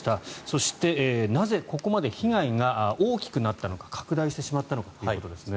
そしてなぜここまで被害が大きくなったのか拡大してしまったのかということですね。